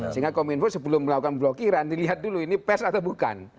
sehingga kominfo sebelum melakukan blokiran dilihat dulu ini pers atau bukan